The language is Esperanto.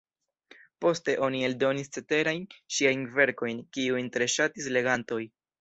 Poste oni eldonis ceterajn ŝiajn verkojn, kiujn tre ŝatis legantoj.